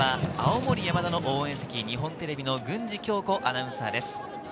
まずは青森山田の応援席、日本テレビの郡司恭子アナウンサーです。